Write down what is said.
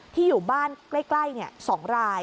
ที่อยู่บ้านใกล้สองราย